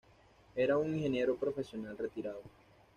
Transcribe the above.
Era un ingeniero profesional retirado.